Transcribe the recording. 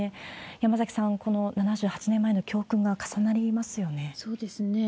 山崎さん、この７８年前の教訓がそうですね。